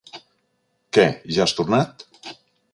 Què, ja has tornat?